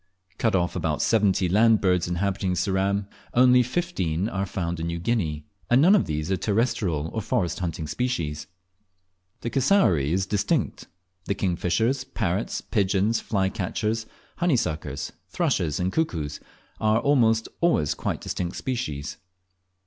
Cut of about seventy land birds inhabiting Ceram, only fifteen are found in New Guinea, and none of these are terrestrial or forest haunting species. The cassowary is distinct; the kingfishers, parrots, pigeons, flycatchers, honeysuckers, thrushes, and cuckoos, are almost always quite distinct species.